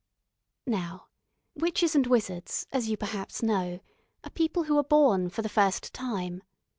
Now witches and wizards, as you perhaps know, are people who are born for the first time.